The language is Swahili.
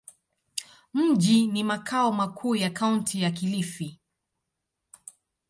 Mji ni makao makuu ya Kaunti ya Kilifi.